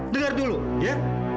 dengar dulu ya